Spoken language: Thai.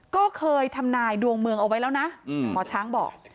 ก็เคยทำนายดวงเมืองเอาไว้แล้วนะหมอช้างบอก